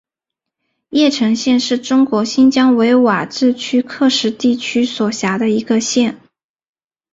叶城县是中国新疆维吾尔自治区喀什地区所辖的一个县。